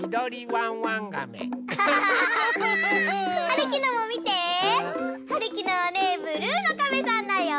はるきのもみて！はるきのはねブルーのカメさんだよ！